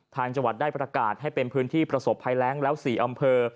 จังหวัดได้ประกาศให้เป็นพื้นที่ประสบภัยแรงแล้ว๔อำเภอ